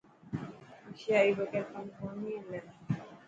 هوشيري بگير ڪم ڪونهي هلي.